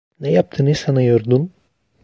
Ne yaptığını sanıyordun?